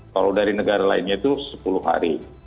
kalau dari negara lainnya itu sepuluh hari